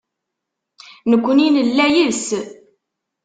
Nekkni nella yes-s.